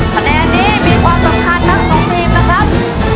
เพราะมีความสำคัญทั้ง๒ทีมนะครับ